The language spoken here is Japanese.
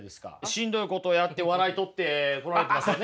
しんどいことをやって笑い取ってこられてますよね。